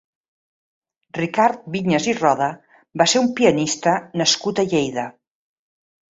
Ricard Viñes i Roda va ser un pianista nascut a Lleida.